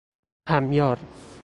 همیار